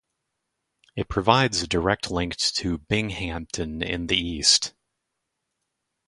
It provides a direct link to Binghamton in the east.